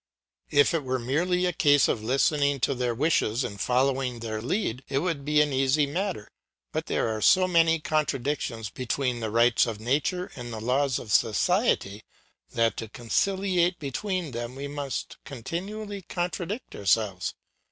If it were merely a case of listening to their wishes and following their lead it would be an easy matter; but there are so many contradictions between the rights of nature and the laws of society that to conciliate them we must continually contradict ourselves.